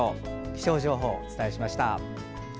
気象情報お伝えしました。